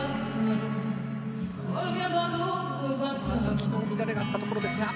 昨日、乱れがあったところですが。